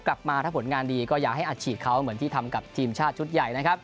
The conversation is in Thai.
กลับมาถ้าผลงานดีก็อย่าให้อัดฉีดเขาเหมือนที่ทำกับทีมชาติชุดใหญ่นะครับ